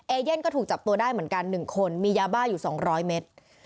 เอเย่นก็ถูกจับตัวได้เหมือนกัน๑คนมียาบ้าอยู่๒๐๐เมตร